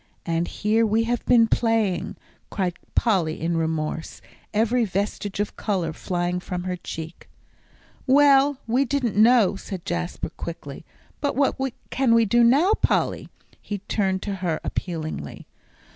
and here we have been playing," cried Polly in remorse, every vestige of colour flying from her cheek. "Well, we didn't know," said Jasper, quickly. "But what can we do now, Polly?" he turned to her appealingly.